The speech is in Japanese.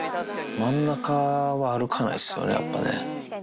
真ん中は歩かないっすよね、やっぱね。